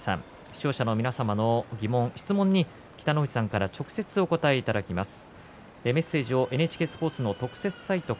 視聴者の皆さんの疑問、質問に北の富士さんから直接、お答えいただきます。